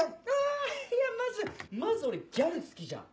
あいやまずまず俺ギャル好きじゃん？